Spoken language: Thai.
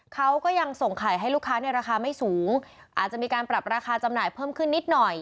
เขาก็ยังส่งขายให้ลูกค้าในราคาไม่สูงอาจจะมีการปรับราคาจำหน่ายเพิ่มขึ้นนิดหน่อย